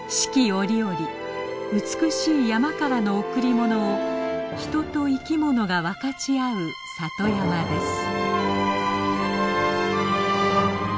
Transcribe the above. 折々美しい山からの贈り物を人と生き物が分かち合う里山です。